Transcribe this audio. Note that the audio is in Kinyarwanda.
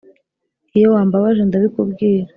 Iyo wambabaje ndabikubwira